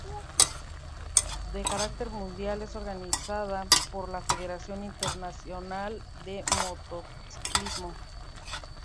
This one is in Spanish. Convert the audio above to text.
De carácter mundial, es organizada por la Federación Internacional de Motociclismo.